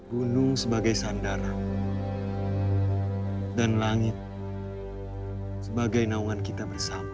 gunung sebagai sandaran dan langit sebagai naungan kita bersama